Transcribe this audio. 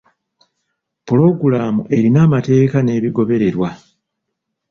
Pulogulaamu erina amateeka n'ebigobererwa.